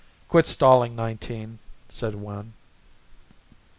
"Quit stalling, Nineteen," said Wynn.